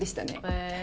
へえ！